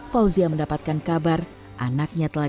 fauzia mendapatkan kabar anaknya telah